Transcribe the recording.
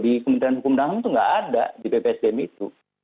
di kementerian hukum dan ham itu nggak ada di bpsdm itu